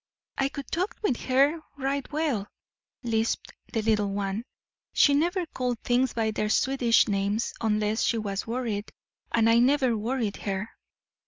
"I could talk with her right well," lisped the little one. "She never called things by their Swedish names unless she was worried; and I never worried her."